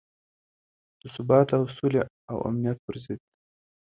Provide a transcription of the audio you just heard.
د ثبات او سولې او امنیت پر ضد.